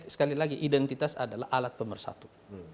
sekali lagi identitas adalah alat pemersatu